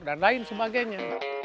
dan lain sebagainya